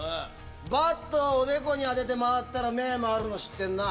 バットをおでこに当てて回ったら目回るの知ってるな？